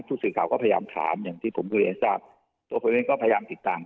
ศูนย์สื่อข่าวก็พยายามถามอย่างที่ผมก็ยังทราบตัวผมก็พยายามติดตาม